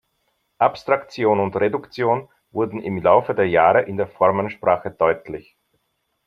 Abstraktion und Reduktion wurden im Laufe der Jahre in der Formensprache deutlich.